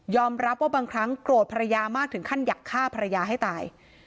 รับว่าบางครั้งโกรธภรรยามากถึงขั้นอยากฆ่าภรรยาให้ตาย